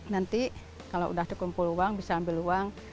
nanti kalau sudah dikumpul uang bisa ambil uang